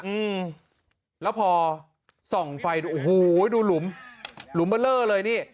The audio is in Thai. อืมแล้วพอส่องไฟดูโอ้โหดูหลุมหลุมเบอร์เลอร์เลยนี่